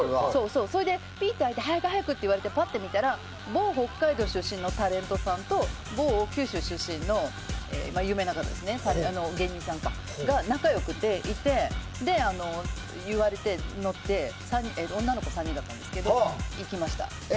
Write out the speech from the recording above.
それで、早く早くって言われて行ったら某北海道出身のタレントさんと某九州出身の芸人さんがいて言われて乗って女の子３人だったんですけど行きました。